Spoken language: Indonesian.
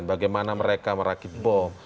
bagaimana mereka merakit bom